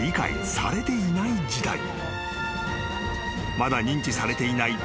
［まだ認知されていないセブン―